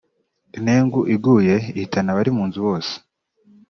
intengu iguye ihitana abari mu nzu bose